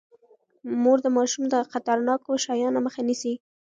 مور د ماشوم د خطرناکو شيانو مخه نيسي.